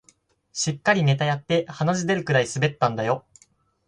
しっかりネタやって鼻血出るくらい滑ったんだよ